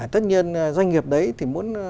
tất nhiên doanh nghiệp đấy thì muốn